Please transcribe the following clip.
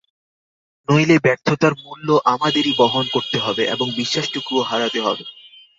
নইলে ব্যর্থতার মূল্য আমাদেরই বহন করতে হবে এবং বিশ্বাসটুকুও হারাতে হবে।